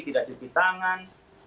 tidak cuci tangan